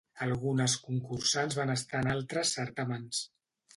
Algunes concursants van estar en altres certàmens.